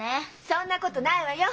そんなことないわよ。